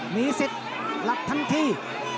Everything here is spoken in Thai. หนีเสริฟลอดทั้งที่